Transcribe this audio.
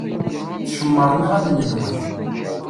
Tcemmṛem iɣallen-nwen.